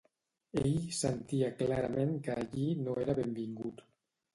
Ell sentia clarament que allí no era benvingut.